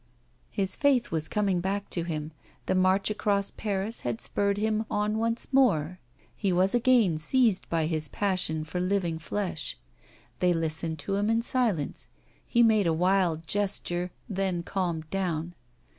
His faith was coming back to him, the march across Paris had spurred him on once more; he was again seized by his passion for living flesh. They listened to him in silence. He made a wild gesture, then calmed down.